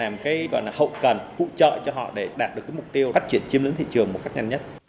mà hậu cần phụ trợ cho họ để đạt được mục tiêu phát triển chiếm lưỡng thị trường một cách nhanh nhất